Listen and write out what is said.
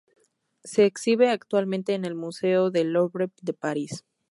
Se exhibe actualmente en el Museo del Louvre de París.